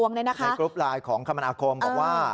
ในกรุ๊ปไลน์ของคมนาคมบอกว่า